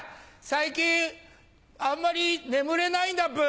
最近あんまり眠れないんだブ。